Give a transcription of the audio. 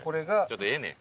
ちょっとええねん。